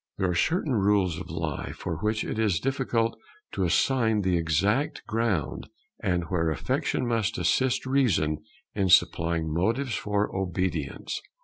There are certain rules of life for which it is difficult to assign the exact ground, and where affection must assist reason in supplying motives for obedience.